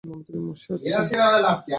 মন্ত্রী মশাই আসছেন।